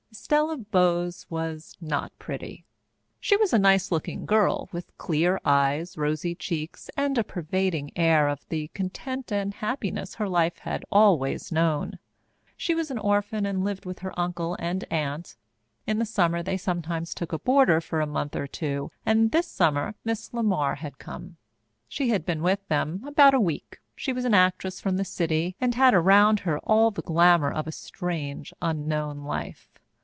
Estella Bowes was not pretty. She was a nice looking girl, with clear eyes, rosy cheeks, and a pervading air of the content and happiness her life had always known. She was an orphan and lived with her uncle and aunt. In the summer they sometimes took a boarder for a month or two, and this summer Miss LeMar had come. She had been with them about a week. She was an actress from the city and had around her all the glamour of a strange, unknown life.